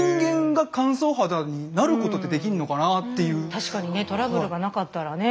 確かにねトラブルがなかったらね。